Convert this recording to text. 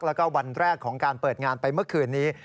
แล้วก็วันแรกของการเปิดงานไปเมื่อคืนนี้